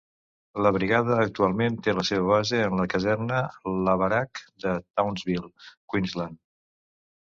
La brigada actualment té la seva base en la caserna Lavarack de Townsville, Queensland.